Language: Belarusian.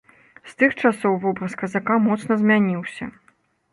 З тых часоў вобраз казака моцна змяніўся.